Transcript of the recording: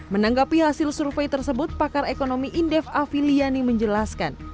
menanggapi hasil survei tersebut pakar ekonomi indef afiliani menjelaskan